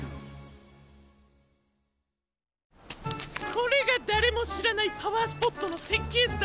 これがだれもしらないパワースポットのせっけいずだ